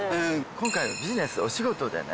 今回はビジネスお仕事でね